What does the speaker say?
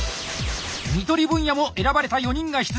看取り分野も選ばれた４人が出場！